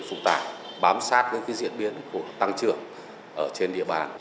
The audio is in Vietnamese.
chúng tôi sẽ tăng trưởng ở trên địa bàn